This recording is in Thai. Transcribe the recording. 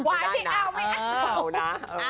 ว่าให้พี่เอาไม่เอานะ